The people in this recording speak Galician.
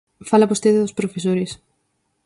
Fala vostede dos profesores.